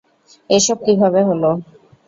এসব কীভাবে হলো?